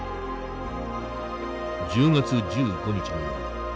「１０月１５日の夜